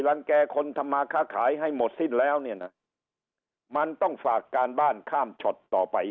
แก่คนทำมาค้าขายให้หมดสิ้นแล้วเนี่ยนะมันต้องฝากการบ้านข้ามช็อตต่อไป